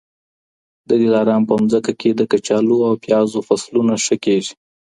د دلارام په مځکه کي د کچالو او پیازو فصلونه ښه کېږي